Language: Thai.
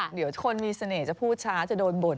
เดี๋ยวคนมีเสน่ห์จะพูดช้าจะโดนบ่น